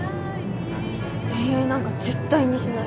恋愛なんか絶対にしない。